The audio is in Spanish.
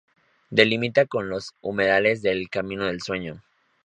Delimita con los "Humedales del Camino del Sueño".